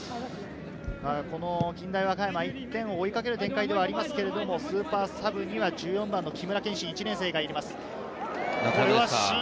近大和歌山、１点を追いかける展開ではありますけれど、スーパーサブには１４番の木村憲